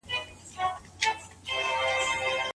د پیسو ګټل اسانه دي خو ساتل یې ګران.